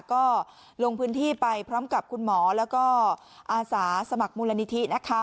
ก็ลงพื้นที่ไปพร้อมกับคุณหมอแล้วก็อาสาสมัครมูลนิธินะคะ